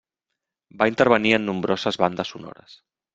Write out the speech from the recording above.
Va intervenir en nombroses bandes sonores.